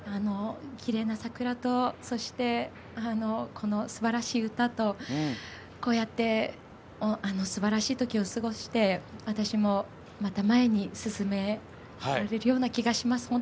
きれいな桜とそして、すばらしい歌とこうやってすばらしいときを過ごして私も、また前に進められるような気がします。